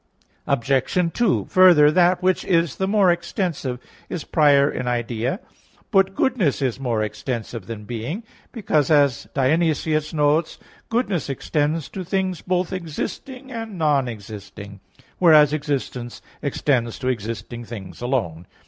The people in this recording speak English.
Obj. 2: Further, that which is the more extensive is prior in idea. But goodness is more extensive than being, because, as Dionysius notes (Div. Nom. v), "goodness extends to things both existing and non existing; whereas existence extends to existing things alone."